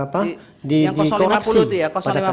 yang lima puluh itu ya